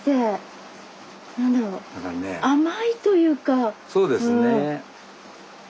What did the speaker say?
あっそうですね。